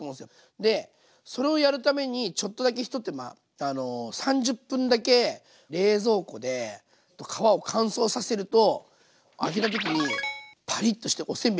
でそれをやるためにちょっとだけ一手間３０分だけ冷蔵庫で皮を乾燥させると揚げた時にパリッとしてお煎餅みたいになるんで。